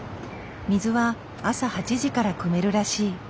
水は朝８時からくめるらしい。